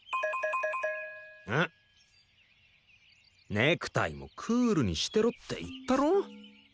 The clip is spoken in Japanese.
ネクタイもクールにしてろって言ったろ？